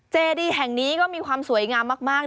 เจดีแห่งนี้ก็มีความสวยงามมาก